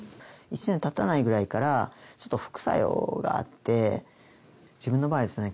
１年たたないぐらいからちょっと副作用があって自分の場合はですね